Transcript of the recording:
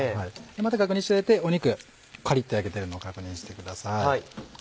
また確認していただいて肉カリっと焼けてるのを確認してください。